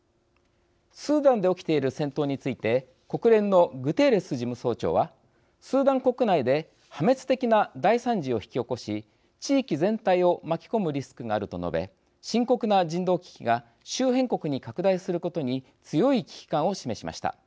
スーダンで起きている戦闘について国連のグテーレス事務総長は「スーダン国内で破滅的な大惨事を引き起こし地域全体を巻き込むリスクがある」と述べ深刻な人道危機が周辺国に拡大することに強い危機感を示しました。